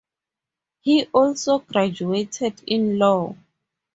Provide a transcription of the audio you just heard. He also graduated in law.